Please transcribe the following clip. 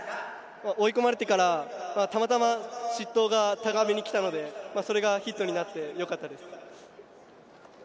追い込まれてからたまたま失投が高めに来たのでそれがヒットになってよかったです。